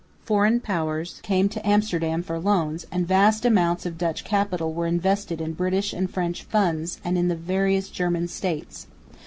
Foreign powers came to Amsterdam for loans; and vast amounts of Dutch capital were invested in British and French funds and in the various German states.